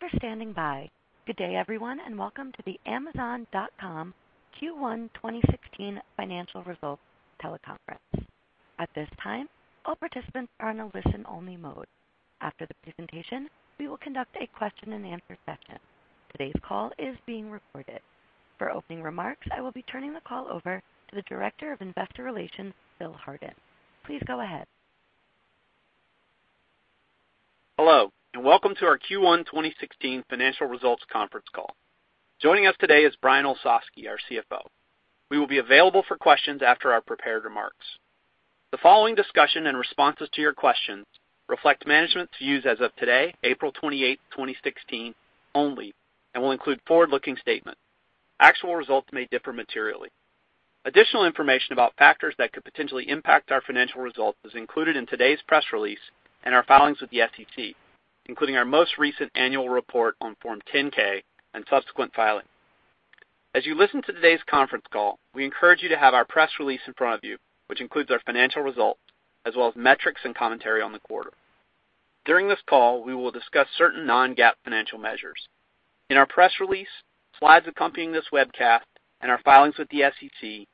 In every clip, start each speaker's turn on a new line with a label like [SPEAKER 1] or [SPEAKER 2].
[SPEAKER 1] Thank you for standing by. Good day everyone, and welcome to the Amazon.com Q1 2016 financial results teleconference. At this time, all participants are in a listen-only mode. After the presentation, we will conduct a question and answer session. Today's call is being recorded. For opening remarks, I will be turning the call over to the Director of Investor Relations, Phil Hardin. Please go ahead.
[SPEAKER 2] Hello, and welcome to our Q1 2016 financial results conference call. Joining us today is Brian Olsavsky, our CFO. We will be available for questions after our prepared remarks. The following discussion and responses to your questions reflect management's views as of today, April 28th, 2016, only, and will include forward-looking statements. Actual results may differ materially. Additional information about factors that could potentially impact our financial results is included in today's press release and our filings with the SEC, including our most recent annual report on Form 10-K and subsequent filings. As you listen to today's conference call, we encourage you to have our press release in front of you, which includes our financial results, as well as metrics and commentary on the quarter. During this call, we will discuss certain non-GAAP financial measures. In our press release, slides accompanying this webcast, and our filings with the SEC,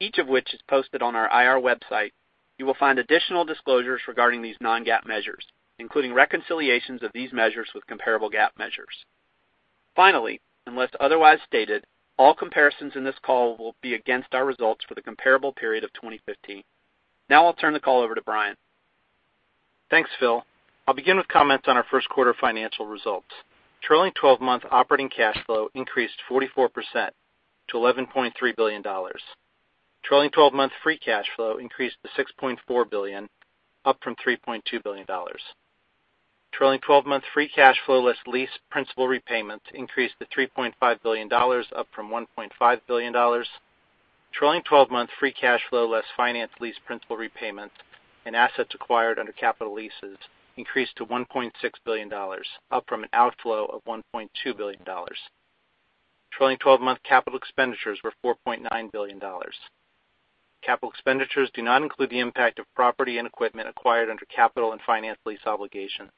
[SPEAKER 2] each of which is posted on our IR website, you will find additional disclosures regarding these non-GAAP measures, including reconciliations of these measures with comparable GAAP measures. Finally, unless otherwise stated, all comparisons in this call will be against our results for the comparable period of 2015. Now I'll turn the call over to Brian.
[SPEAKER 3] Thanks, Phil. I'll begin with comments on our first quarter financial results. Trailing 12-month operating cash flow increased 44% to $11.3 billion. Trailing 12-month free cash flow increased to $6.4 billion, up from $3.2 billion. Trailing 12-month free cash flow less lease principal repayments increased to $3.5 billion, up from $1.5 billion. Trailing 12-month free cash flow less finance lease principal repayments and assets acquired under capital leases increased to $1.6 billion, up from an outflow of $1.2 billion. Trailing 12-month capital expenditures were $4.9 billion. Capital expenditures do not include the impact of property and equipment acquired under capital and finance lease obligations.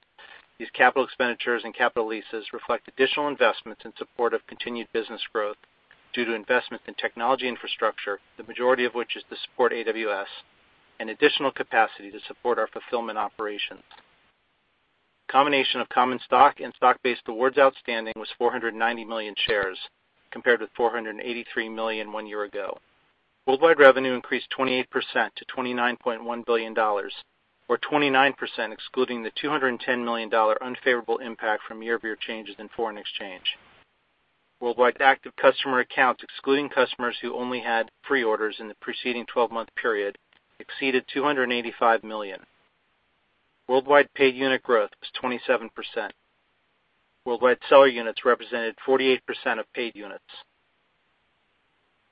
[SPEAKER 3] These capital expenditures and capital leases reflect additional investments in support of continued business growth due to investments in technology infrastructure, the majority of which is to support AWS, and additional capacity to support our fulfillment operations. The combination of common stock and stock-based awards outstanding was 490 million shares compared with 483 million one year ago. Worldwide revenue increased 28% to $29.1 billion, or 29% excluding the $210 million unfavorable impact from year-over-year changes in foreign exchange. Worldwide active customer accounts, excluding customers who only had pre-orders in the preceding 12-month period, exceeded 285 million. Worldwide paid unit growth was 27%. Worldwide seller units represented 48% of paid units.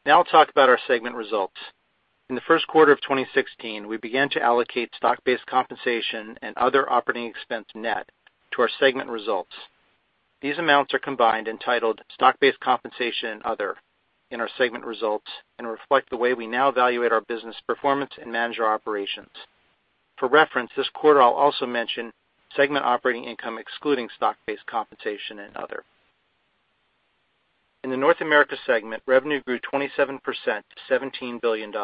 [SPEAKER 3] Now I will talk about our segment results. In the first quarter of 2016, we began to allocate stock-based compensation and other operating expense net to our segment results. These amounts are combined and titled "Stock-based Compensation and Other" in our segment results and reflect the way we now evaluate our business performance and manage our operations. For reference, this quarter I will also mention segment operating income excluding stock-based compensation and other. In the North America segment, revenue grew 27% to $17 billion.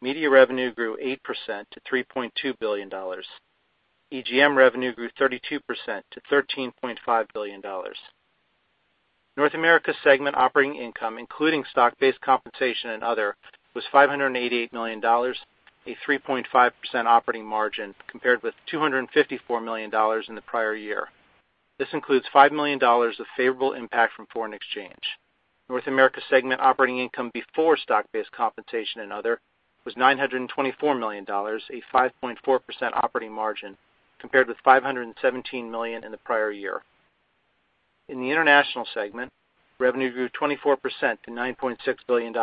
[SPEAKER 3] Media revenue grew 8% to $3.2 billion. EGM revenue grew 32% to $13.5 billion. North America segment operating income, including stock-based compensation and other, was $588 million, a 3.5% operating margin, compared with $254 million in the prior year. This includes $5 million of favorable impact from foreign exchange. North America segment operating income before stock-based compensation and other was $924 million, a 5.4% operating margin, compared with $517 million in the prior year. In the International segment, revenue grew 24% to $9.6 billion.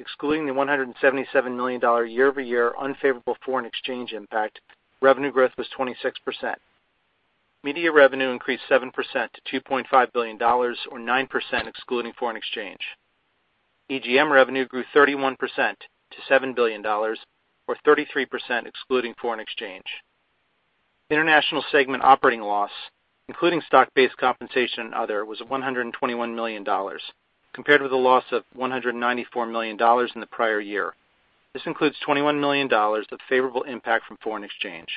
[SPEAKER 3] Excluding the $177 million year-over-year unfavorable foreign exchange impact, revenue growth was 26%. Media revenue increased 7% to $2.5 billion, or 9% excluding foreign exchange. EGM revenue grew 31% to $7 billion, or 33% excluding foreign exchange. International segment operating loss, including stock-based compensation and other, was $121 million, compared with a loss of $194 million in the prior year. This includes $21 million of favorable impact from foreign exchange.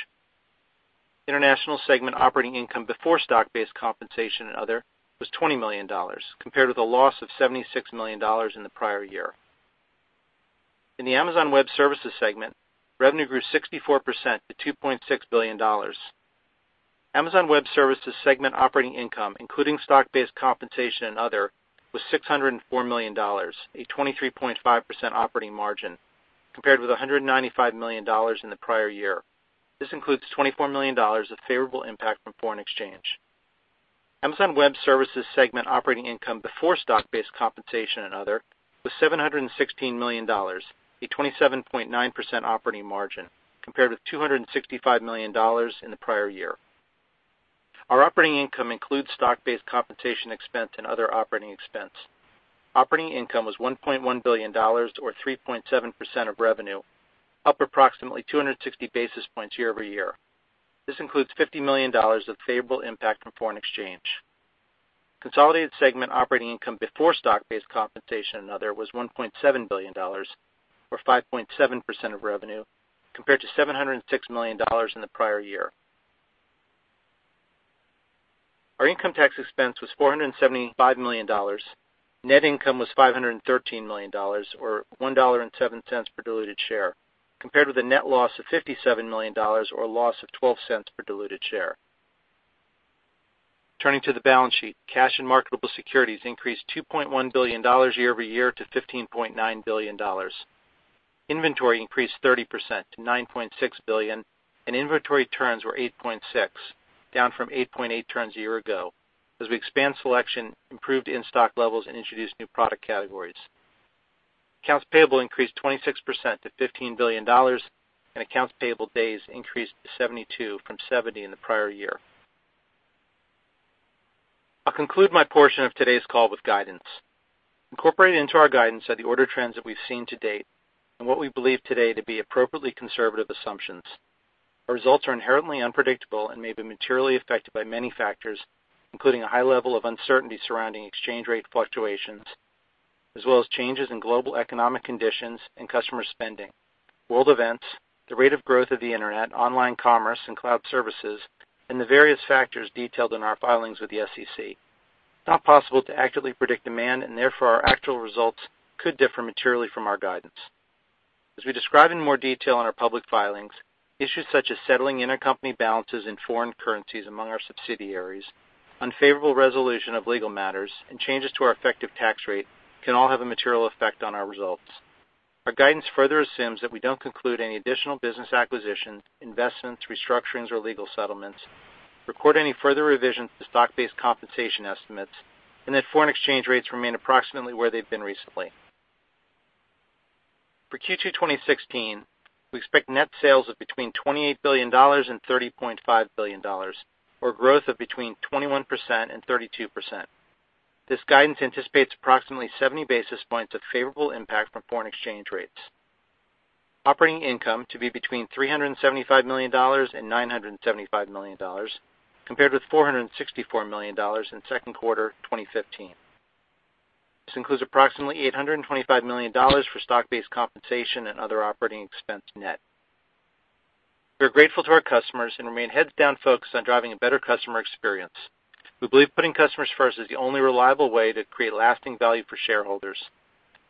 [SPEAKER 3] International segment operating income before stock-based compensation and other was $20 million, compared with a loss of $76 million in the prior year. In the Amazon Web Services segment, revenue grew 64% to $2.6 billion. Amazon Web Services segment operating income, including stock-based compensation and other, was $604 million, a 23.5% operating margin, compared with $195 million in the prior year. This includes $24 million of favorable impact from foreign exchange. Amazon Web Services segment operating income before stock-based compensation and other was $716 million, a 27.9% operating margin, compared with $265 million in the prior year. Our operating income includes stock-based compensation expense and other operating expense. Operating income was $1.1 billion, or 3.7% of revenue, up approximately 260 basis points year-over-year. This includes $50 million of favorable impact from foreign exchange. Consolidated segment operating income before stock-based compensation and other was $1.7 billion, or 5.7% of revenue, compared to $706 million in the prior year. Our income tax expense was $475 million. Net income was $513 million, or $1.07 per diluted share, compared with a net loss of $57 million, or a loss of $0.12 per diluted share. Turning to the balance sheet, cash and marketable securities increased $2.1 billion year-over-year to $15.9 billion. Inventory increased 30% to $9.6 billion, and inventory turns were 8.6, down from 8.8 turns a year ago as we expand selection, improved in-stock levels, and introduced new product categories. Accounts payable increased 26% to $15 billion, and accounts payable days increased to 72 from 70 in the prior year. I'll conclude my portion of today's call with guidance. Incorporated into our guidance are the order trends that we've seen to date and what we believe today to be appropriately conservative assumptions. Our results are inherently unpredictable and may be materially affected by many factors, including a high level of uncertainty surrounding exchange rate fluctuations, as well as changes in global economic conditions and customer spending, world events, the rate of growth of the internet, online commerce, and cloud services, and the various factors detailed in our filings with the SEC. It's not possible to accurately predict demand, therefore, our actual results could differ materially from our guidance. As we describe in more detail in our public filings, issues such as settling intercompany balances in foreign currencies among our subsidiaries, unfavorable resolution of legal matters, and changes to our effective tax rate can all have a material effect on our results. Our guidance further assumes that we don't conclude any additional business acquisitions, investments, restructurings, or legal settlements, record any further revisions to stock-based compensation estimates, and that foreign exchange rates remain approximately where they've been recently. For Q2 2016, we expect net sales of between $28 billion and $30.5 billion, or growth of between 21% and 32%. This guidance anticipates approximately 70 basis points of favorable impact from foreign exchange rates. Operating income to be between $375 million and $975 million, compared with $464 million in second quarter 2015. This includes approximately $825 million for stock-based compensation and other operating expense net. We are grateful to our customers and remain heads-down focused on driving a better customer experience. We believe putting customers first is the only reliable way to create lasting value for shareholders.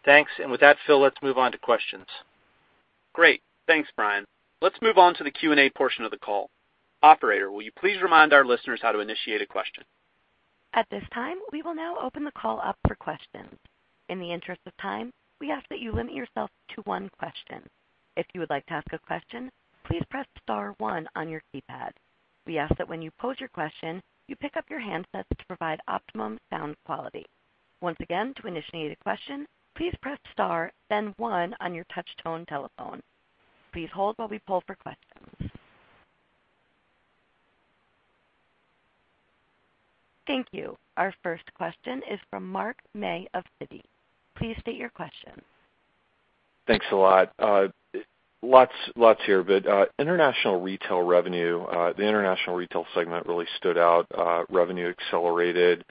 [SPEAKER 3] Thanks. With that, Phil, let's move on to questions.
[SPEAKER 2] Great. Thanks, Brian. Let's move on to the Q&A portion of the call. Operator, will you please remind our listeners how to initiate a question?
[SPEAKER 1] At this time, we will now open the call up for questions. In the interest of time, we ask that you limit yourself to one question. If you would like to ask a question, please press star one on your keypad. We ask that when you pose your question, you pick up your handsets to provide optimum sound quality. Once again, to initiate a question, please press star, then one on your touch-tone telephone. Please hold while we poll for questions. Thank you. Our first question is from Mark May of Citi. Please state your question.
[SPEAKER 4] Thanks a lot. Lots here, international retail revenue, the international retail segment really stood out. Revenue accelerated.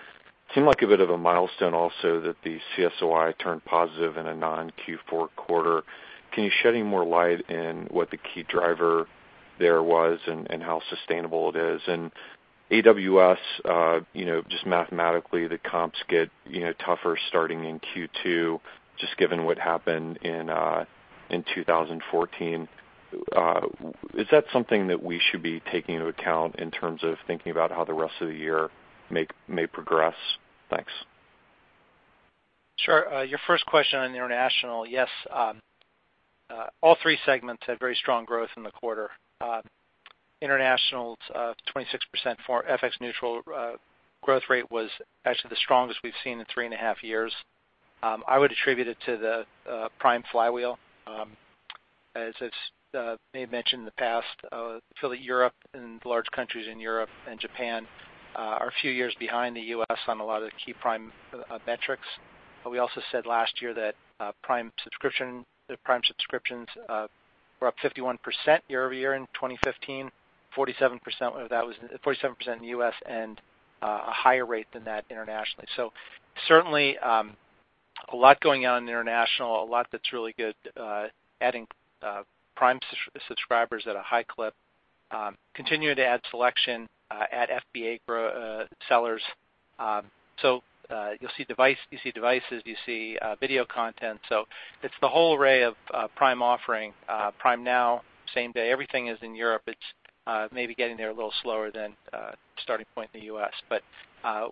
[SPEAKER 4] Seemed like a bit of a milestone also that the CSOI turned positive in a non-Q4 quarter. Can you shed any more light in what the key driver there was and how sustainable it is? AWS, just mathematically, the comps get tougher starting in Q2, just given what happened in 2014. Is that something that we should be taking into account in terms of thinking about how the rest of the year may progress? Thanks.
[SPEAKER 3] Sure. Your first question on international. Yes, all three segments had very strong growth in the quarter. International, 26% foreign FX neutral growth rate was actually the strongest we've seen in three and a half years. I would attribute it to the Prime flywheel. As May mentioned in the past, Phil, Europe, and large countries in Europe and Japan are a few years behind the U.S. on a lot of the key Prime metrics. We also said last year that Prime subscriptions were up 51% year-over-year in 2015, 47% in the U.S., and a higher rate than that internationally. Certainly, a lot going on in the international, a lot that's really good, adding Prime subscribers at a high clip. Continuing to add selection, add FBA sellers. You see devices, you see video content. It's the whole array of Prime offering. Prime Now, same day. Everything is in Europe. It's maybe getting there a little slower than starting point in the U.S.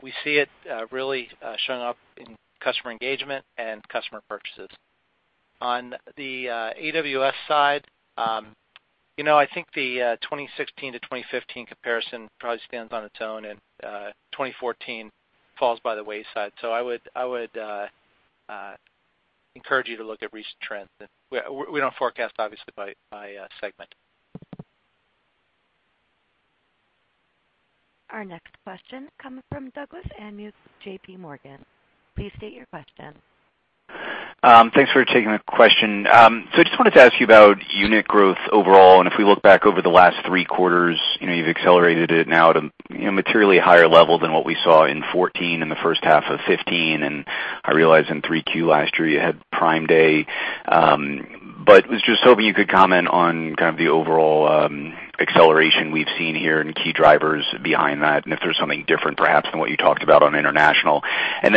[SPEAKER 3] We see it really showing up in customer engagement and customer purchases. On the AWS side, I think the 2016 to 2015 comparison probably stands on its own, and 2014 falls by the wayside. I would
[SPEAKER 2] Encourage you to look at recent trends. We don't forecast, obviously, by segment.
[SPEAKER 1] Our next question comes from Doug Anmuth with J.P. Morgan. Please state your question.
[SPEAKER 5] Thanks for taking the question. I just wanted to ask you about unit growth overall, and if we look back over the last three quarters, you've accelerated it now at a materially higher level than what we saw in 2014, and the first half of 2015. I realize in Q3 last year, you had Prime Day. Was just hoping you could comment on kind of the overall acceleration we've seen here and key drivers behind that, and if there's something different perhaps than what you talked about on international.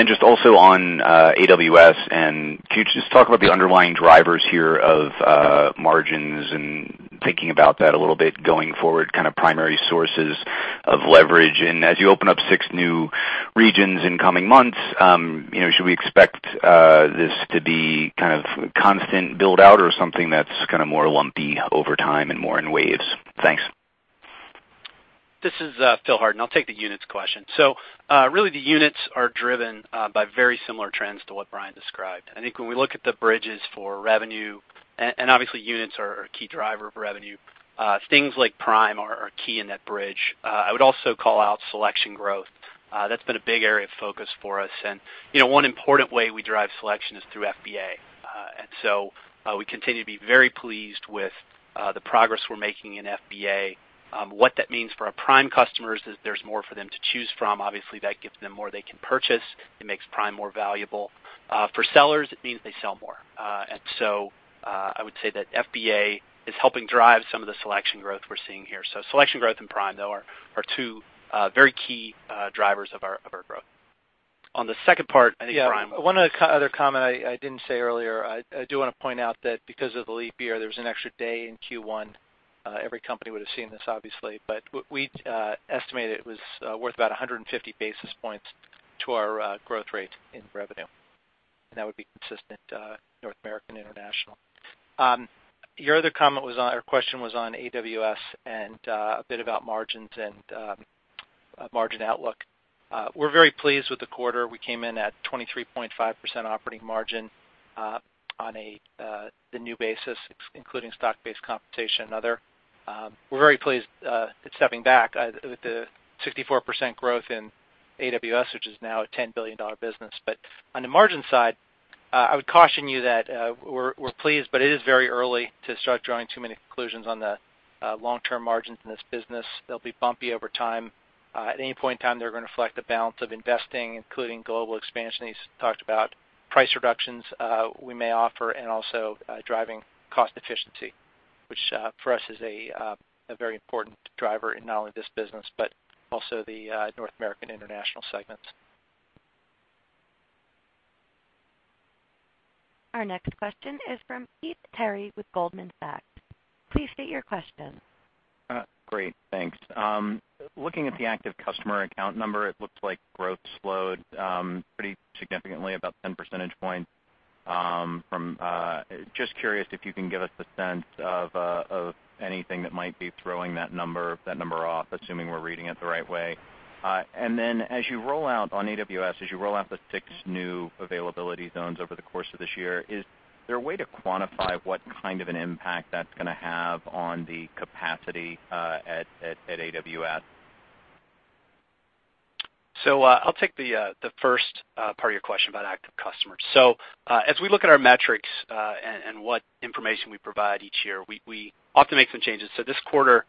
[SPEAKER 5] Just also on AWS, can you just talk about the underlying drivers here of margins and thinking about that a little bit going forward, kind of primary sources of leverage. As you open up six new regions in coming months, should we expect this to be kind of constant build-out or something that's kind of more lumpy over time and more in waves? Thanks.
[SPEAKER 2] This is Phil Hardin. Really, the units are driven by very similar trends to what Brian described. I think when we look at the bridges for revenue, obviously units are a key driver of revenue, things like Prime are key in that bridge. I would also call out selection growth. That's been a big area of focus for us. One important way we drive selection is through FBA. We continue to be very pleased with the progress we're making in FBA. What that means for our Prime customers is there's more for them to choose from. Obviously, that gives them more they can purchase. It makes Prime more valuable. For sellers, it means they sell more. I would say that FBA is helping drive some of the selection growth we're seeing here. Selection growth and Prime, though, are two very key drivers of our growth. On the second part, I think Brian.
[SPEAKER 3] Yeah. One other comment I didn't say earlier. I do want to point out that because of the leap year, there was an extra day in Q1. Every company would've seen this, obviously, but we estimated it was worth about 150 basis points to our growth rate in revenue, and that would be consistent North American, International. Your other question was on AWS, and a bit about margins and margin outlook. We're very pleased with the quarter. We came in at 23.5% operating margin on the new basis, including stock-based compensation and other. We're very pleased, stepping back, with the 64% growth in AWS, which is now a $10 billion business. On the margin side, I would caution you that we're pleased, but it is very early to start drawing too many conclusions on the long-term margins in this business. They'll be bumpy over time. At any point in time, they're going to reflect the balance of investing, including global expansion he's talked about, price reductions we may offer, and also driving cost efficiency, which for us is a very important driver in not only this business, but also the North American International segments.
[SPEAKER 1] Our next question is from Heath Terry with Goldman Sachs. Please state your question.
[SPEAKER 6] Great. Thanks. Looking at the active customer account number, it looks like growth slowed pretty significantly, about 10 percentage points from. I'm just curious if you can give us a sense of anything that might be throwing that number off, assuming we're reading it the right way. As you roll out on AWS, as you roll out the six new availability zones over the course of this year, is there a way to quantify what kind of an impact that's going to have on the capacity at AWS?
[SPEAKER 3] I'll take the first part of your question about active customers. As we look at our metrics and what information we provide each year, we often make some changes. This quarter,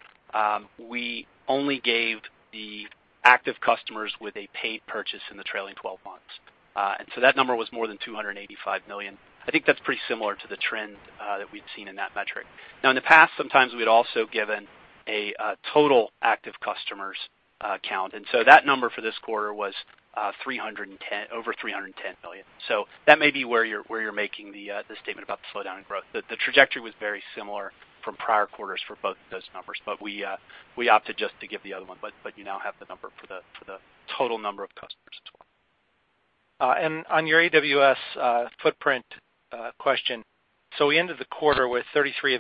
[SPEAKER 3] we only gave the active customers with a paid purchase in the trailing 12 months. That number was more than $285 million. I think that's pretty similar to the trend that we'd seen in that metric. Now, in the past, sometimes we'd also given a total active customers count, that number for this quarter was over $310 million. That may be where you're making the statement about the slowdown in growth. The trajectory was very similar from prior quarters for both of those numbers, we opted just to give the other one. You now have the number for the total number of customers as well.
[SPEAKER 2] On your AWS footprint question, we ended the quarter with 33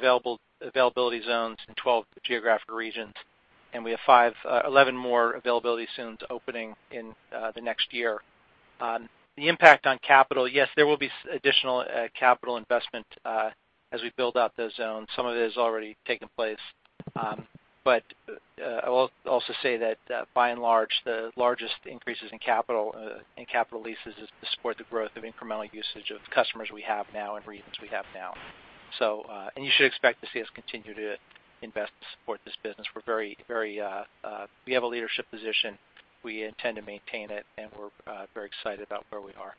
[SPEAKER 2] availability zones in 12 geographic regions. We have 11 more availability zones opening in the next year. The impact on capital, yes, there will be additional capital investment as we build out those zones. Some of it has already taken place. I will also say that by and large, the largest increases in capital leases is to support the growth of incremental usage of customers we have now and regions we have now. You should expect to see us continue to invest to support this business. We have a leadership position, we intend to maintain it, and we're very excited about where we are.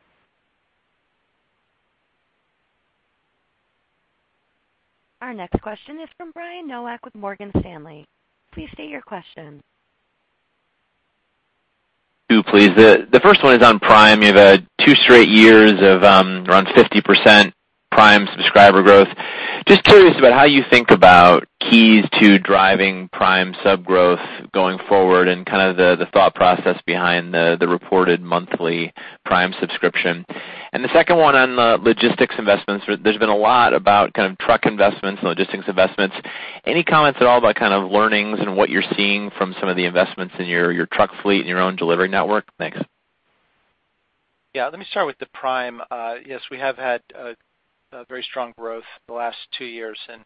[SPEAKER 1] Our next question is from Brian Nowak with Morgan Stanley. Please state your question.
[SPEAKER 7] Two, please. The first one is on Prime. You've had two straight years of around 50% Prime subscriber growth. Just curious about how you think about keys to driving Prime sub growth going forward and kind of the thought process behind the reported monthly Prime subscription. The second one on the logistics investments. There's been a lot about kind of truck investments and logistics investments. Any comments at all about kind of learnings and what you're seeing from some of the investments in your truck fleet and your own delivery network? Thanks.
[SPEAKER 3] Yeah. Let me start with the Prime. Yes, we have had very strong growth the last two years and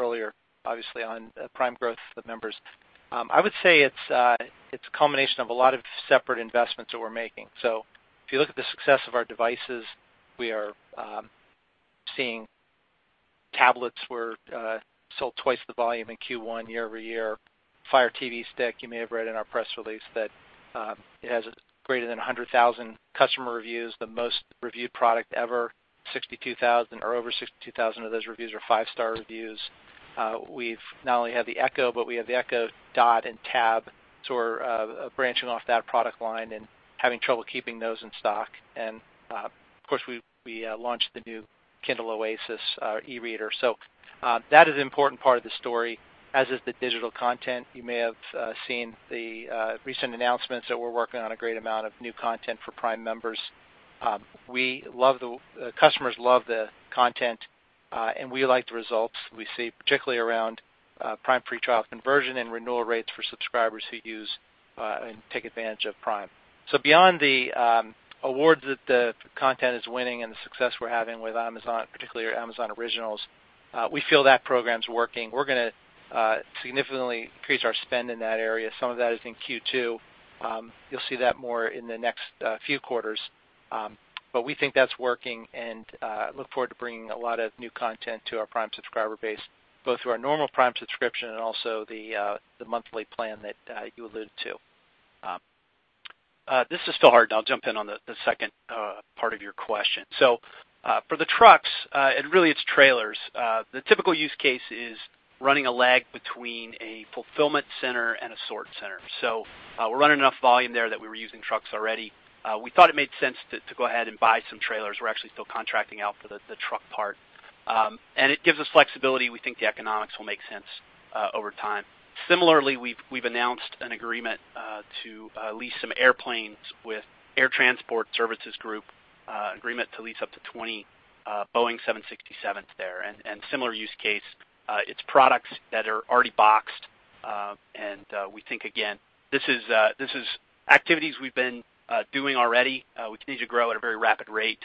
[SPEAKER 3] earlier, obviously, on Prime growth of members. I would say it's a combination of a lot of separate investments that we're making. If you look at the success of our devices, we are seeing tablets were sold twice the volume in Q1 year-over-year. Fire TV Stick, you may have read in our press release that it has greater than 100,000 customer reviews, the most reviewed product ever. Over 62,000 of those reviews are five-star reviews. We not only have the Echo, but we have the Echo Dot and Tap. We're branching off that product line and having trouble keeping those in stock. Of course, we launched the new Kindle Oasis e-reader. That is an important part of the story, as is the digital content. You may have seen the recent announcements that we're working on a great amount of new content for Prime members. The customers love the content, and we like the results we see, particularly around Prime free trial conversion and renewal rates for subscribers who use and take advantage of Prime. Beyond the awards that the content is winning and the success we're having with Amazon, particularly Amazon Originals, we feel that program's working. We're going to significantly increase our spend in that area. Some of that is in Q2. You'll see that more in the next few quarters. We think that's working, and look forward to bringing a lot of new content to our Prime subscriber base, both through our normal Prime subscription and also the monthly plan that you alluded to. This is still hard, and I'll jump in on the second part of your question. For the trucks, and really it's trailers, the typical use case is running a lag between a fulfillment center and a sort center. We're running enough volume there that we were using trucks already. We thought it made sense to go ahead and buy some trailers. We're actually still contracting out for the truck part. It gives us flexibility. We think the economics will make sense over time. Similarly, we've announced an agreement to lease some airplanes with Air Transport Services Group, agreement to lease up to 20 Boeing 767s there. Similar use case, it's products that are already boxed, and we think, again, this is activities we've been doing already. We continue to grow at a very rapid rate.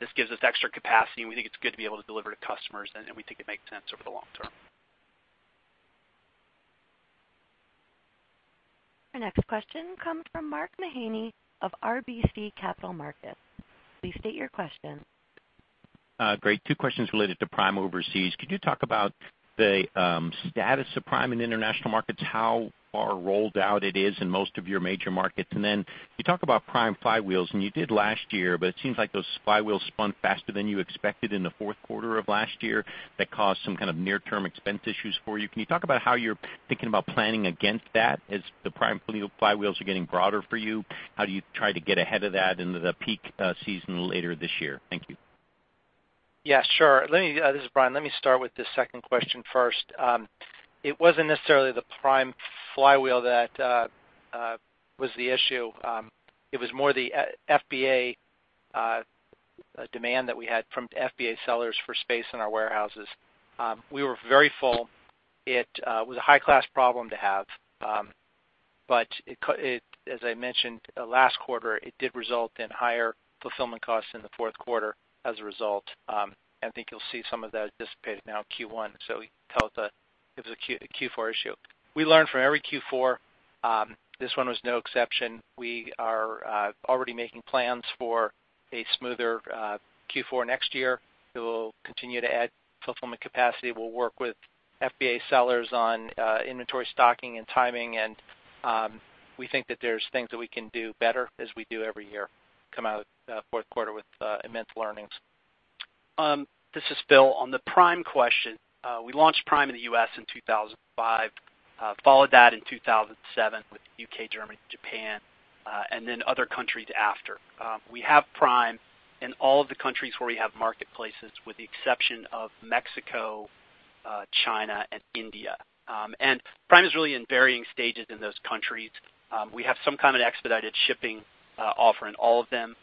[SPEAKER 3] This gives us extra capacity, and we think it's good to be able to deliver to customers, and we think it makes sense over the long term.
[SPEAKER 1] Our next question comes from Mark Mahaney of RBC Capital Markets. Please state your question.
[SPEAKER 8] Great. Two questions related to Prime overseas. Could you talk about the status of Prime in international markets, how far rolled out it is in most of your major markets? You talk about Prime flywheels, and you did last year, but it seems like those flywheels spun faster than you expected in the fourth quarter of last year that caused some kind of near-term expense issues for you. Can you talk about how you're thinking about planning against that as the Prime flywheels are getting broader for you? How do you try to get ahead of that into the peak season later this year? Thank you.
[SPEAKER 3] Yeah, sure. This is Brian. Let me start with the second question first. It wasn't necessarily the Prime flywheel that was the issue. It was more the FBA demand that we had from FBA sellers for space in our warehouses. We were very full. It was a high-class problem to have. As I mentioned last quarter, it did result in higher fulfillment costs in the fourth quarter as a result, and I think you'll see some of that dissipated now in Q1. We call it the Q4 issue. We learn from every Q4. This one was no exception. We are already making plans for a smoother Q4 next year. We will continue to add fulfillment capacity. We'll work with FBA sellers on inventory stocking and timing, we think that there's things that we can do better as we do every year, come out fourth quarter with immense learnings.
[SPEAKER 2] This is Phil. On the Prime question, we launched Prime in the U.S. in 2005, followed that in 2007 with U.K., Germany, Japan, other countries after. We have Prime in all of the countries where we have marketplaces, with the exception of Mexico, China, and India. Prime is really in varying stages in those countries. We have some kind of expedited shipping offer in all of them.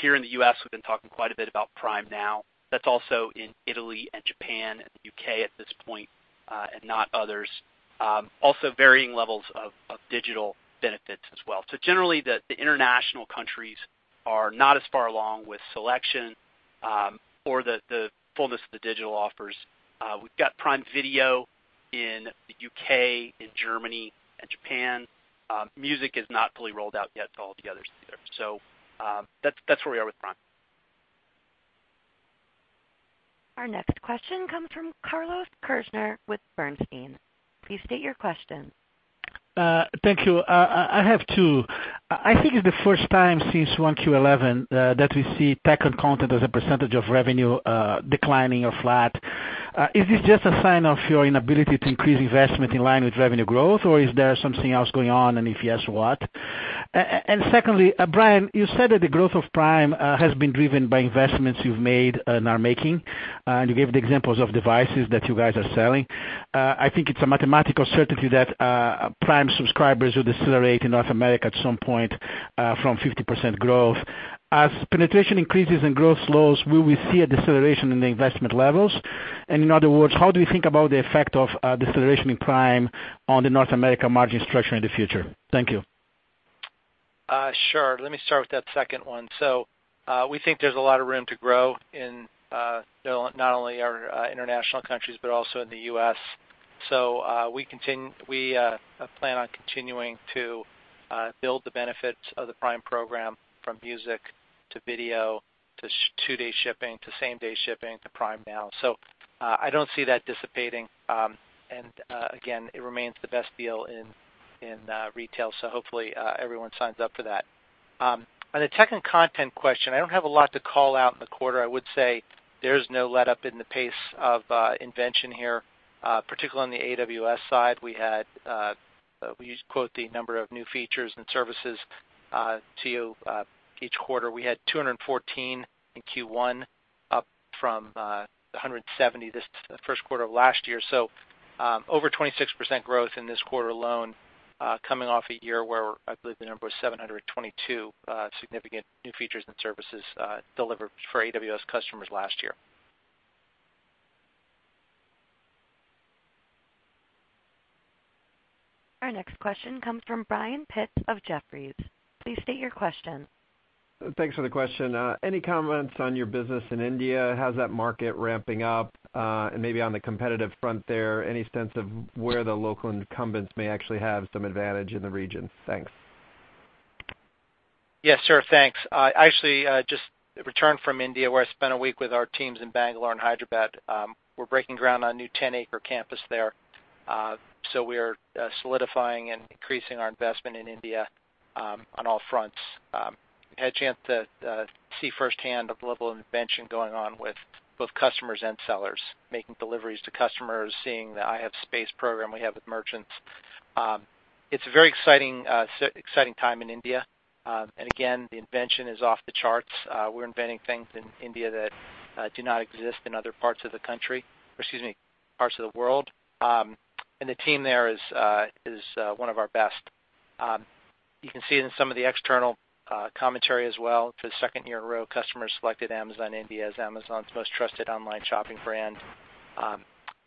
[SPEAKER 2] Here in the U.S., we've been talking quite a bit about Prime Now. That's also in Italy and Japan and the U.K. at this point, and not others. Also varying levels of digital benefits as well. Generally, the international countries are not as far along with selection or the fullness of the digital offers. We've got Prime Video in the U.K., in Germany, and Japan. Music is not fully rolled out yet to all the others either. That's where we are with Prime.
[SPEAKER 1] Our next question comes from Carlos Kirjner with Bernstein. Please state your question.
[SPEAKER 9] Thank you. I have two. I think it's the first time since 1Q11 that we see tech and content as a percentage of revenue declining or flat. Is this just a sign of your inability to increase investment in line with revenue growth, or is there something else going on, and if yes, what? Secondly, Brian, you said that the growth of Prime has been driven by investments you've made and are making, and you gave the examples of devices that you guys are selling. I think it's a mathematical certainty that Prime subscribers will decelerate in North America at some point from 50% growth. As penetration increases and growth slows, will we see a deceleration in the investment levels? In other words, how do we think about the effect of deceleration in Prime on the North America margin structure in the future? Thank you.
[SPEAKER 3] Sure. Let me start with that second one. We think there's a lot of room to grow in not only our international countries, but also in the U.S. We plan on continuing to build the benefits of the Prime program from music to video to two-day shipping, to same-day shipping, to Prime Now. I don't see that dissipating, and again, it remains the best deal in retail, so hopefully everyone signs up for that. On the tech and content question, I don't have a lot to call out in the quarter. I would say there's no letup in the pace of invention here, particularly on the AWS side. We quote the number of new features and services to you each quarter. We had 214 in Q1, up from 170 the first quarter of last year. Over 26% growth in this quarter alone, coming off a year where I believe the number was 722 significant new features and services delivered for AWS customers last year.
[SPEAKER 1] Our next question comes from Brian Pitz of Jefferies. Please state your question.
[SPEAKER 10] Thanks for the question. Any comments on your business in India? How's that market ramping up? Maybe on the competitive front there, any sense of where the local incumbents may actually have some advantage in the region? Thanks.
[SPEAKER 3] Yes, sir. Thanks. I actually just returned from India, where I spent a week with our teams in Bangalore and Hyderabad. We're breaking ground on a new 10-acre campus there. We are solidifying and increasing our investment in India on all fronts. Had a chance to see firsthand the level of invention going on with both customers and sellers, making deliveries to customers, seeing the I Have Space program we have with merchants. It's a very exciting time in India. Again, the invention is off the charts. We're inventing things in India that do not exist in other parts of the world. The team there is one of our best. You can see it in some of the external commentary as well. For the second year in a row, customers selected Amazon India as Amazon's most trusted online shopping brand.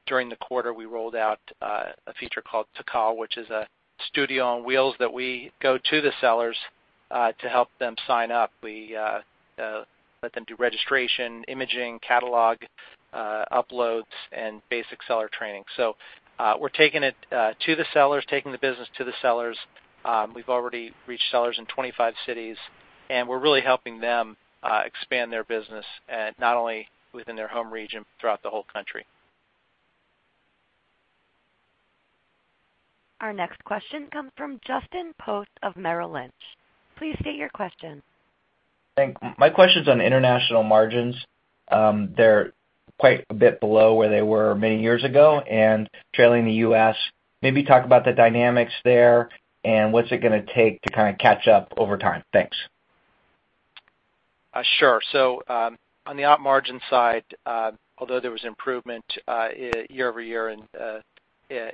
[SPEAKER 3] During the quarter, we rolled out a feature called Amazon Tatkal, which is a studio on wheels that we go to the sellers to help them sign up. We let them do registration, imaging, catalog uploads, and basic seller training. We're taking it to the sellers, taking the business to the sellers. We've already reached sellers in 25 cities, and we're really helping them expand their business, not only within their home region, but throughout the whole country.
[SPEAKER 1] Our next question comes from Justin Post of Merrill Lynch. Please state your question.
[SPEAKER 11] Thanks. My question's on international margins. They're quite a bit below where they were many years ago and trailing the U.S. Maybe talk about the dynamics there and what's it gonna take to kind of catch up over time. Thanks.
[SPEAKER 3] Sure. On the op margin side, although there was improvement year-over-year, and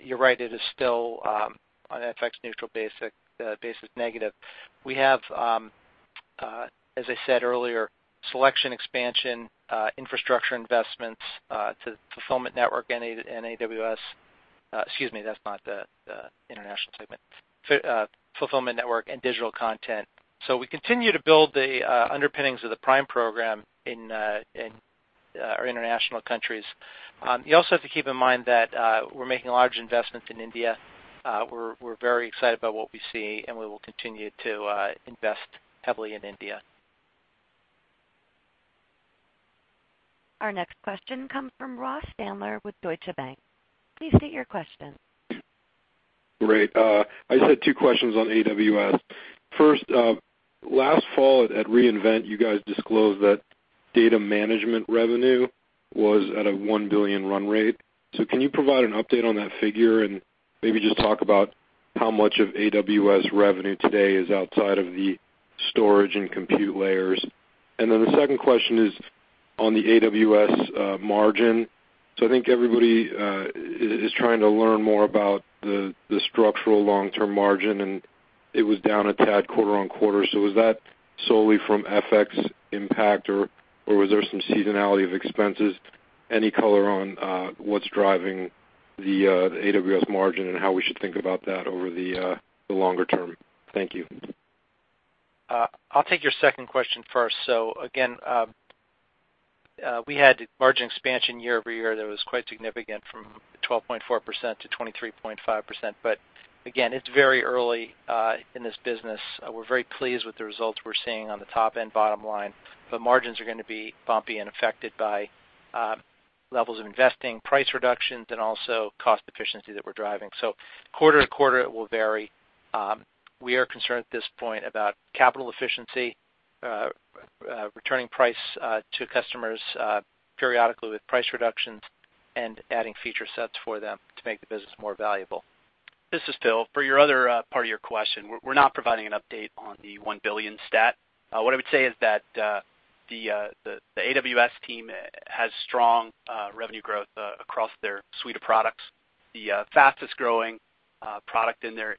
[SPEAKER 3] you're right, it is still on an FX-neutral basis negative. We have, as I said earlier, selection expansion, infrastructure investments to Fulfillment Network and AWS. Excuse me, that's not the international segment. Fulfillment Network and digital content. We continue to build the underpinnings of the Prime program in our international countries. You also have to keep in mind that we're making large investments in India. We're very excited about what we see, and we will continue to invest heavily in India.
[SPEAKER 1] Our next question comes from Ross Sandler with Deutsche Bank. Please state your question.
[SPEAKER 12] Great. I just had two questions on AWS. First, last fall at re:Invent, you guys disclosed that data management revenue was at a $1 billion run rate. Can you provide an update on that figure and maybe just talk about how much of AWS revenue today is outside of the storage and compute layers? The second question is on the AWS margin. I think everybody is trying to learn more about the structural long-term margin, and it was down a tad quarter-over-quarter. Was that solely from FX impact, or was there some seasonality of expenses? Any color on what's driving the AWS margin and how we should think about that over the longer term? Thank you.
[SPEAKER 3] I'll take your second question first. Again, we had margin expansion year-over-year that was quite significant, from 12.4% to 23.5%. But again, it's very early in this business. We're very pleased with the results we're seeing on the top and bottom line, but margins are going to be bumpy and affected by levels of investing, price reductions, and also cost efficiency that we're driving. Quarter-over-quarter, it will vary. We are concerned at this point about capital efficiency, returning price to customers periodically with price reductions, and adding feature sets for them to make the business more valuable.
[SPEAKER 2] This is Phil. For your other part of your question, we're not providing an update on the $1 billion stat. What I would say is that the AWS team has strong revenue growth across their suite of products. The fastest-growing product in their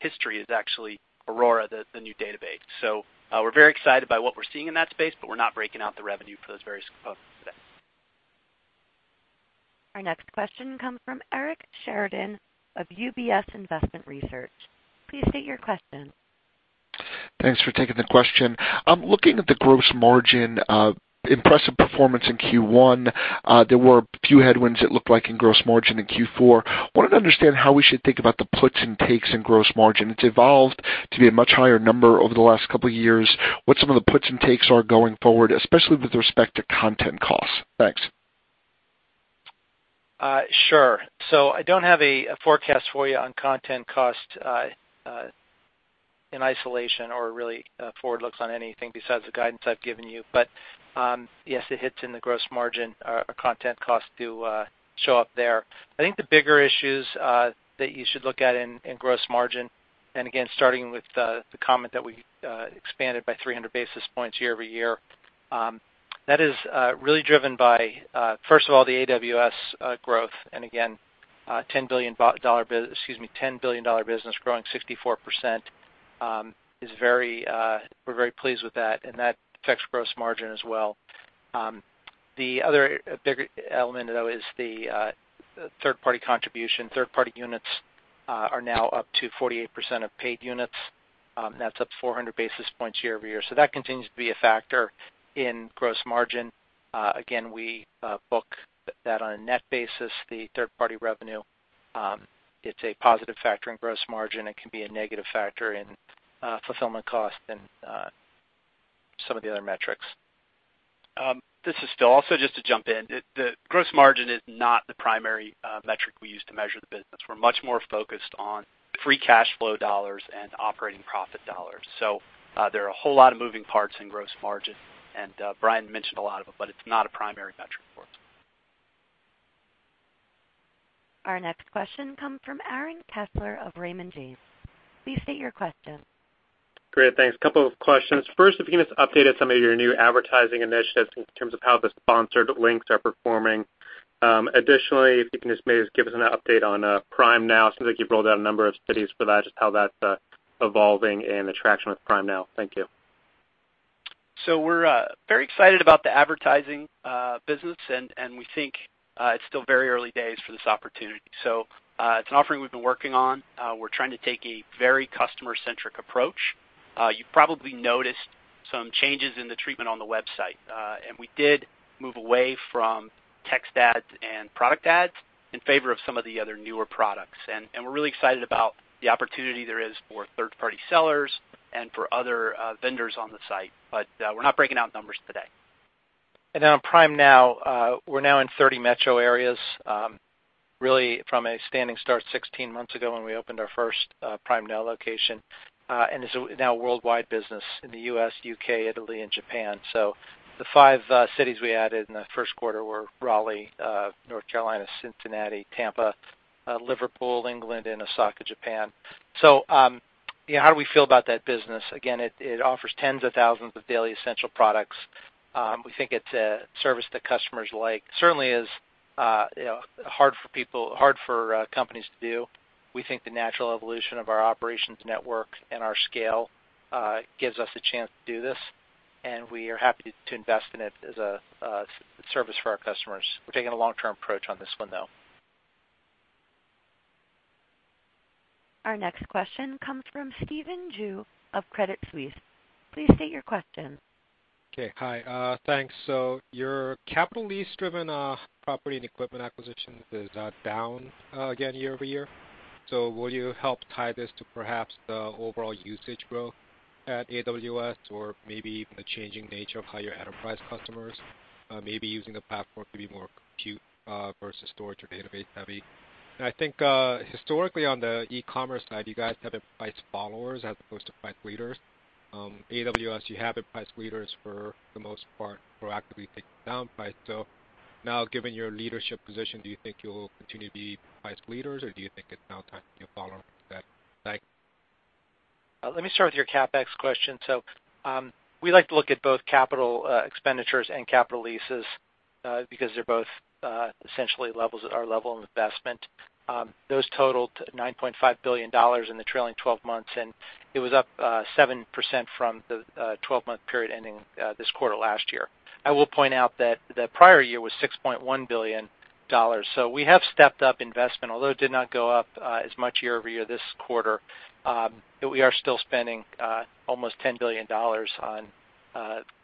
[SPEAKER 2] history is actually Aurora, the new database. We're very excited by what we're seeing in that space, but we're not breaking out the revenue for those various components today.
[SPEAKER 1] Our next question comes from Eric Sheridan of UBS Investment Research. Please state your question.
[SPEAKER 13] Thanks for taking the question. Looking at the gross margin impressive performance in Q1, there were a few headwinds it looked like in gross margin in Q4. Wanted to understand how we should think about the puts and takes in gross margin. It's evolved to be a much higher number over the last couple of years. What some of the puts and takes are going forward, especially with respect to content costs. Thanks.
[SPEAKER 3] Sure. I don't have a forecast for you on content cost, in isolation or really forward looks on anything besides the guidance I've given you. Yes, it hits in the gross margin, our content costs do show up there. I think the bigger issues that you should look at in gross margin, again, starting with the comment that we expanded by 300 basis points year-over-year, that is really driven by first of all, the AWS growth and again $10 billion business growing 64%, we're very pleased with that, and that affects gross margin as well. The other bigger element though is the third-party contribution. Third-party units are now up to 48% of paid units. That's up 400 basis points year-over-year. That continues to be a factor in gross margin. Again, we book that on a net basis, the third-party revenue, it's a positive factor in gross margin. It can be a negative factor in fulfillment cost and some of the other metrics.
[SPEAKER 2] This is Phil. Also, just to jump in, the gross margin is not the primary metric we use to measure the business. We're much more focused on free cash flow dollars and operating profit dollars. There are a whole lot of moving parts in gross margin, and Brian mentioned a lot of them, but it's not a primary metric for us.
[SPEAKER 1] Our next question comes from Aaron Kessler of Raymond James. Please state your question.
[SPEAKER 14] Great. Thanks. A couple of questions. First, if you can just update us on some of your new advertising initiatives in terms of how the sponsored links are performing. Additionally, if you can just maybe give us an update on Prime Now. It seems like you've rolled out a number of cities for that, just how that's evolving and the traction with Prime Now. Thank you.
[SPEAKER 2] We're very excited about the advertising business, and we think it's still very early days for this opportunity. It's an offering we've been working on. We're trying to take a very customer-centric approach. You probably noticed some changes in the treatment on the website. We did move away from text ads and product ads in favor of some of the other newer products. We're really excited about the opportunity there is for third-party sellers and for other vendors on the site. We're not breaking out numbers today.
[SPEAKER 3] On Prime Now, we're now in 30 metro areas, really from a standing start 16 months ago when we opened our first Prime Now location. It's now a worldwide business in the U.S., U.K., Italy, and Japan. The five cities we added in the first quarter were Raleigh, North Carolina, Cincinnati, Tampa, Liverpool, England, and Osaka, Japan. How do we feel about that business? Again, it offers tens of thousands of daily essential products. We think it's a service that customers like. Certainly is hard for companies to do. We think the natural evolution of our operations network and our scale gives us a chance to do this, and we are happy to invest in it as a service for our customers. We're taking a long-term approach on this one, though.
[SPEAKER 1] Our next question comes from Stephen Ju of Credit Suisse. Please state your question.
[SPEAKER 15] Okay, hi. Thanks. Your capital lease-driven property and equipment acquisition is down again year-over-year. Will you help tie this to perhaps the overall usage growth at AWS or maybe the changing nature of how your enterprise customers may be using the platform to be more compute, versus storage or database-heavy? I think, historically on the e-commerce side, you guys have enterprise followers as opposed to price leaders. AWS, you have enterprise leaders for the most part, proactively taking down price. Now, given your leadership position, do you think you'll continue to be price leaders, or do you think it's now time to be a follower instead? Thanks.
[SPEAKER 3] Let me start with your CapEx question. We like to look at both capital expenditures and capital leases, because they're both essentially our level of investment. Those totaled $9.5 billion in the trailing 12 months, and it was up 7% from the 12-month period ending this quarter last year. I will point out that the prior year was $6.1 billion. We have stepped up investment, although it did not go up as much year-over-year this quarter. We are still spending almost $10 billion on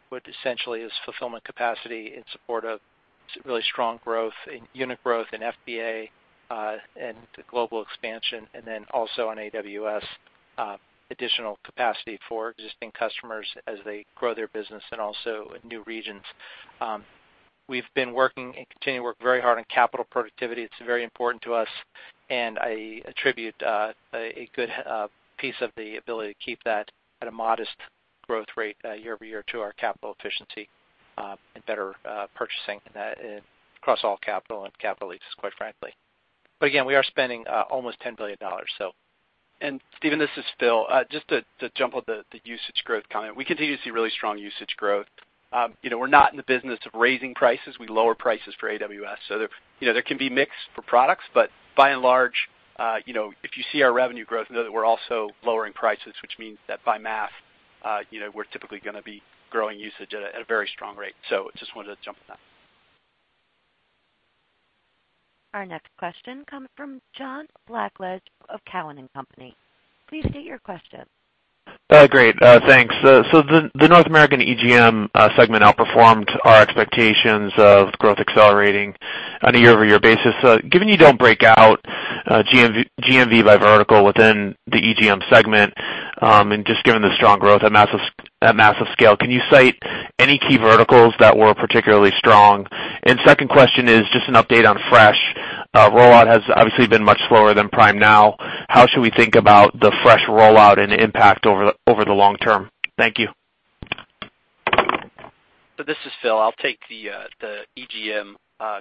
[SPEAKER 3] what essentially is fulfillment capacity in support of really strong growth in unit growth in FBA, and global expansion, and also on AWS, additional capacity for existing customers as they grow their business and also in new regions. We've been working and continue to work very hard on capital productivity. It's very important to us. I attribute a good piece of the ability to keep that at a modest growth rate year-over-year to our capital efficiency, and better purchasing across all capital and capital leases, quite frankly. Again, we are spending almost $10 billion.
[SPEAKER 2] Stephen, this is Phil. Just to jump on the usage growth comment, we continue to see really strong usage growth. We're not in the business of raising prices. We lower prices for AWS. There can be mix for products, but by and large, if you see our revenue growth, know that we're also lowering prices, which means that by math we're typically going to be growing usage at a very strong rate. Just wanted to jump on that.
[SPEAKER 1] Our next question comes from John Blackledge of Cowen and Company. Please state your question.
[SPEAKER 16] Great. Thanks. The North American EGM segment outperformed our expectations of growth accelerating on a year-over-year basis. Given you don't break out GMV by vertical within the EGM segment, just given the strong growth at massive scale, can you cite any key verticals that were particularly strong? Second question is just an update on Fresh. Rollout has obviously been much slower than Prime Now. How should we think about the Fresh rollout and impact over the long term? Thank you.
[SPEAKER 2] This is Phil. I'll take the EGM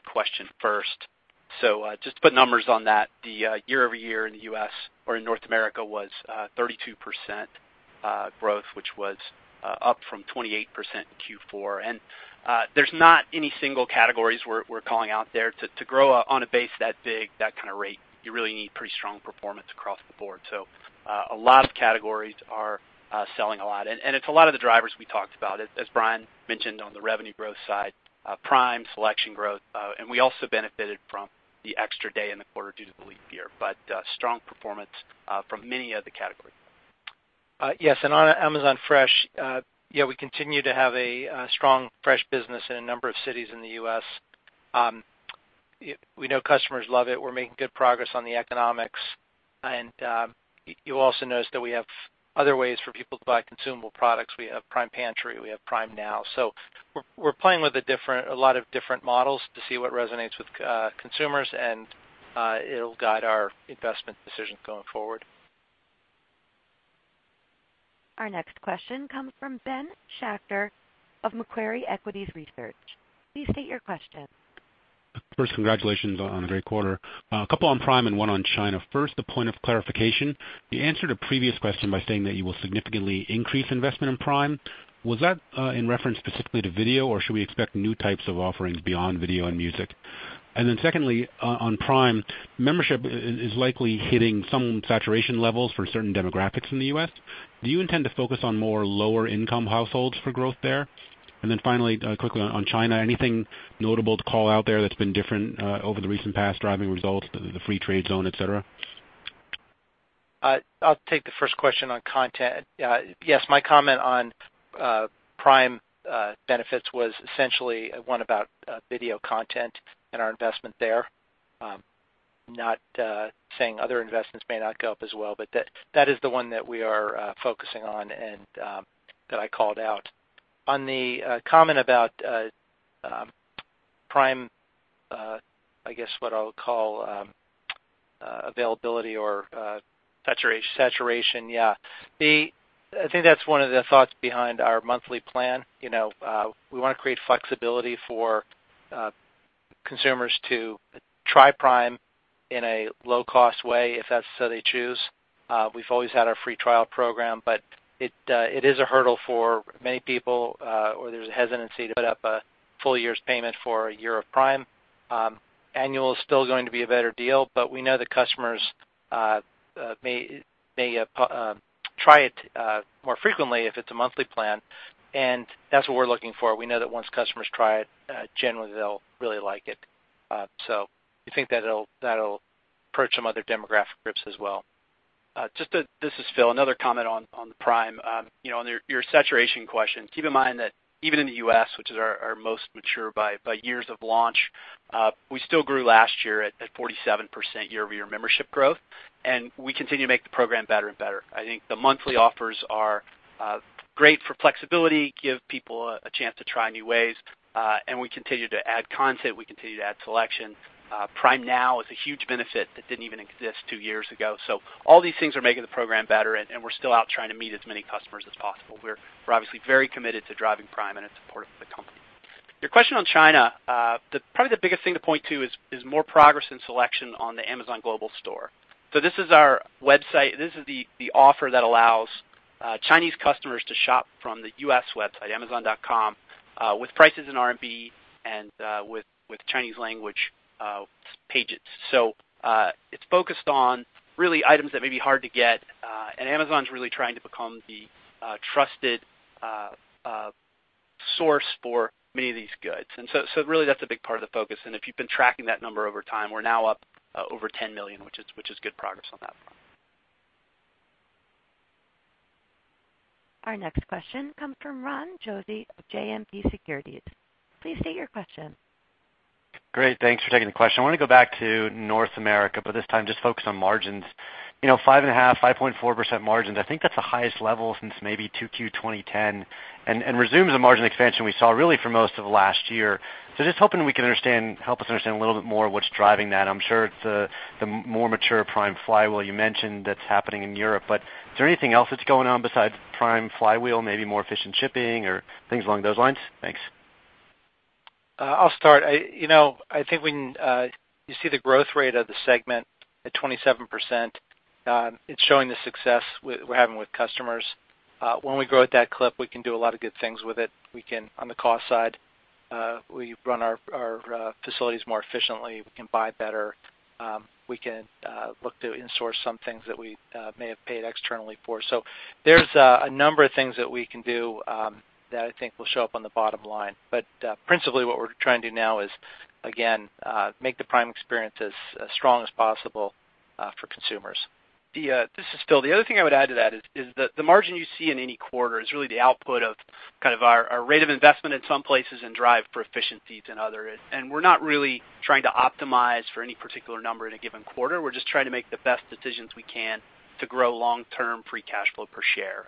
[SPEAKER 2] question first. Just to put numbers on that, the year-over-year in the U.S. or in North America was 32% growth, which was up from 28% in Q4. There's not any single categories we're calling out there. To grow on a base that big, that kind of rate, you really need pretty strong performance across the board. A lot of categories are selling a lot. It's a lot of the drivers we talked about, as Brian mentioned on the revenue growth side, Prime, selection growth, and we also benefited from the extra day in the quarter due to the leap year. Strong performance from many of the categories.
[SPEAKER 3] On Amazon Fresh, we continue to have a strong Fresh business in a number of cities in the U.S. We know customers love it. We're making good progress on the economics. You also notice that we have other ways for people to buy consumable products. We have Prime Pantry, we have Prime Now. We're playing with a lot of different models to see what resonates with consumers, and it'll guide our investment decisions going forward.
[SPEAKER 1] Our next question comes from Ben Schachter of Macquarie Equities Research. Please state your question.
[SPEAKER 17] First, congratulations on a great quarter. A couple on Prime and one on China. First, a point of clarification. You answered a previous question by saying that you will significantly increase investment in Prime. Was that in reference specifically to video, or should we expect new types of offerings beyond video and music? Secondly, on Prime, membership is likely hitting some saturation levels for certain demographics in the U.S. Do you intend to focus on more lower-income households for growth there? Finally, quickly on China, anything notable to call out there that's been different over the recent past driving results, the free trade zone, et cetera?
[SPEAKER 3] I'll take the first question on content. Yes, my comment on Prime benefits was essentially one about video content and our investment there. Not saying other investments may not go up as well, but that is the one that we are focusing on and that I called out. On the comment about Prime, I guess what I'll call availability or-
[SPEAKER 2] Saturation.
[SPEAKER 3] Saturation, yeah. I think that's one of the thoughts behind our monthly plan. We want to create flexibility for consumers to try Prime in a low-cost way if that's so they choose. We've always had our free trial program, but it is a hurdle for many people, or there's a hesitancy to put up a full year's payment for a year of Prime. Annual is still going to be a better deal, but we know that customers may try it more frequently if it's a monthly plan, and that's what we're looking for. We know that once customers try it, generally they'll really like it. We think that'll approach some other demographic groups as well.
[SPEAKER 2] This is Phil. Another comment on the Prime. On your saturation question, keep in mind that even in the U.S., which is our most mature by years of launch, we still grew last year at 47% year-over-year membership growth, and we continue to make the program better and better. I think the monthly offers are great for flexibility, give people a chance to try new ways, and we continue to add content, we continue to add selection. Prime Now is a huge benefit that didn't even exist two years ago. All these things are making the program better, and we're still out trying to meet as many customers as possible. We're obviously very committed to driving Prime, and it's important for the company. Your question on China, probably the biggest thing to point to is more progress in selection on the Amazon Global Store. This is our website. This is the offer that allows Chinese customers to shop from the U.S. website, amazon.com, with prices in RMB and with Chinese language pages. It's focused on really items that may be hard to get, and Amazon's really trying to become the trusted source for many of these goods. Really that's a big part of the focus. If you've been tracking that number over time, we're now up over 10 million, which is good progress on that front.
[SPEAKER 1] Our next question comes from Ron Josey of JMP Securities. Please state your question.
[SPEAKER 18] Great. Thanks for taking the question. I want to go back to North America, but this time just focus on margins. Five and a half, 5.4% margins, I think that's the highest level since maybe 2Q 2010, and resumes the margin expansion we saw really for most of last year. Just hoping we can understand, help us understand a little bit more what's driving that. I'm sure it's the more mature Prime flywheel you mentioned that's happening in Europe, but is there anything else that's going on besides Prime flywheel, maybe more efficient shipping or things along those lines? Thanks.
[SPEAKER 3] I'll start. I think when you see the growth rate of the segment at 27%, it's showing the success we're having with customers. When we grow at that clip, we can do a lot of good things with it. We can run our facilities more efficiently. We can buy better. We can look to in-source some things that we may have paid externally for. There's a number of things that we can do that I think will show up on the bottom line. Principally what we're trying to do now is, again, make the Prime experience as strong as possible for consumers.
[SPEAKER 2] This is Phil. The other thing I would add to that is that the margin you see in any quarter is really the output of our rate of investment in some places and drive for efficiencies in others. We're not really trying to optimize for any particular number in a given quarter. We're just trying to make the best decisions we can to grow long-term free cash flow per share.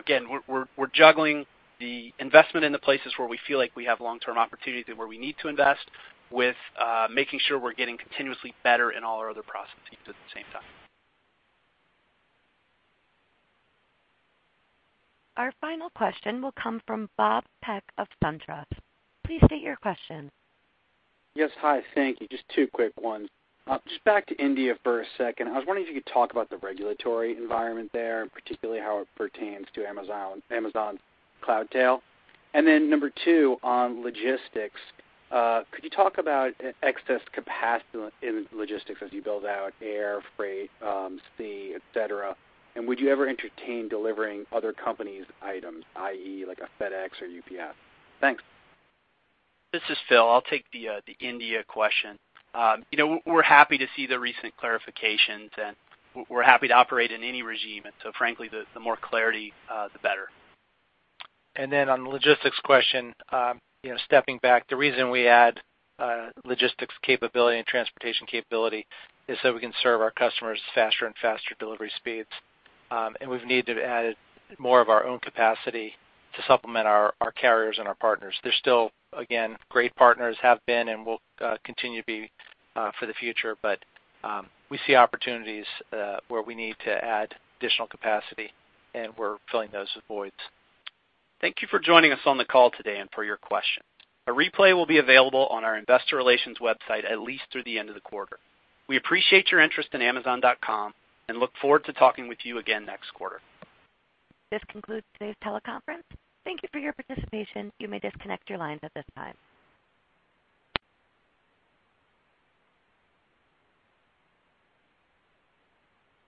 [SPEAKER 2] Again, we're juggling the investment in the places where we feel like we have long-term opportunities and where we need to invest, with making sure we're getting continuously better in all our other processes at the same time.
[SPEAKER 1] Our final question will come from Robert Peck of SunTrust. Please state your question.
[SPEAKER 19] Yes. Hi, thank you. Just two quick ones. Just back to India for a second. I was wondering if you could talk about the regulatory environment there, and particularly how it pertains to Amazon's Cloudtail. Number 2, on logistics. Could you talk about excess capacity in logistics as you build out air, freight, sea, et cetera? Would you ever entertain delivering other companies' items, i.e., like a FedEx or UPS? Thanks.
[SPEAKER 2] This is Phil. I'll take the India question. We're happy to see the recent clarifications, we're happy to operate in any regime. Frankly, the more clarity, the better.
[SPEAKER 3] On the logistics question, stepping back, the reason we add logistics capability and transportation capability is we can serve our customers faster and faster delivery speeds. We've needed to add more of our own capacity to supplement our carriers and our partners. They're still, again, great partners, have been and will continue to be for the future. We see opportunities where we need to add additional capacity, we're filling those voids.
[SPEAKER 2] Thank you for joining us on the call today and for your questions. A replay will be available on our investor relations website at least through the end of the quarter. We appreciate your interest in amazon.com and look forward to talking with you again next quarter.
[SPEAKER 1] This concludes today's teleconference. Thank you for your participation. You may disconnect your lines at this time.